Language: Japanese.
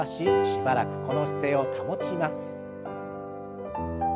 しばらくこの姿勢を保ちます。